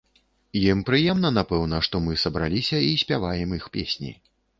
Ім прыемна, напэўна, што мы сабраліся і спяваем іх песні.